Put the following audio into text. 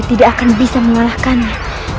tidak akan bisa mengalahkannya